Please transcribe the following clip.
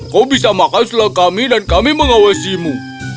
kau bisa makan setelah kami dan kami mengawasimu